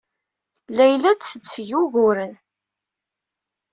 Layla la d-tetteg uguren.